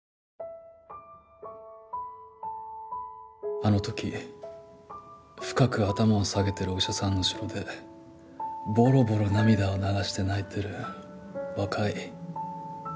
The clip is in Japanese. あの時深く頭を下げてるお医者さんの後ろでボロボロ涙を流して泣いてる若い女の先生がいて。